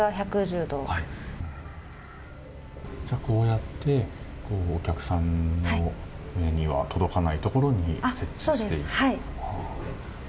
こうやってお客さんの目には目には届かないところに設置していると。